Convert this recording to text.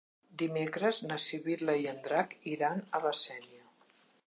Dimecres na Sibil·la i en Drac iran a la Sénia.